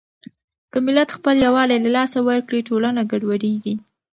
که ملت خپل يووالی له لاسه ورکړي، ټولنه ګډوډېږي.